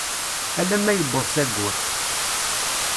Alamma yewweḍ s ayyur.